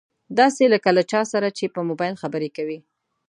داسې لکه له چا سره چې په مبايل خبرې کوي.